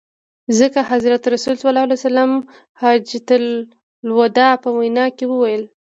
ځکه حضرت رسول ص د حجة الوداع په وینا کي وویل.